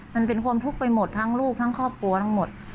มันเป็นความทุกข์ไปหมดทั้งลูกทั้งครอบครัวทั้งหมด